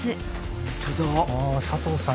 あ佐藤さん